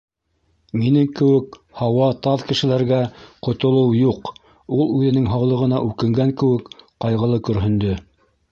Минең кеүек һау-таҙа кешеләргә ҡотолоу юҡ, — ул үҙенең һаулығына үкенгән кеүек ҡайғылы көрһөндө.